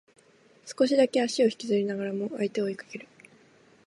少しだけ足を引きずりながらも相手を追いかける